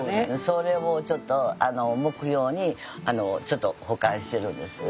それをちょっと目標にちょっと保管してるんです。